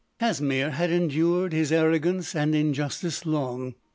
Casimir had endured his arrogance and injustice long.